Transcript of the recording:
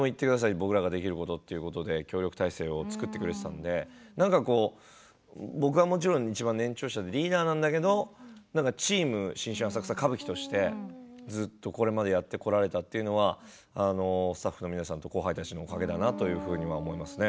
僕らができることということで協力体制を作ってくれていたので僕はもちろん、いちばん年長者リーダーなんだけどチーム「新春浅草歌舞伎」としてこれまでずっとやってこられたというのはスタッフの皆さんと後輩たちのおかげだなと思いますね。